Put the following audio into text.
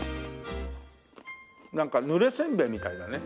なんかぬれせんべいみたいだね。